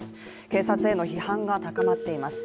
警察への批判が高まっています。